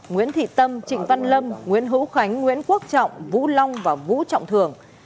nguyễn thị tâm trịnh văn lâm nguyễn hữu khánh nguyễn quốc trọng vũ long và vũ trọng thường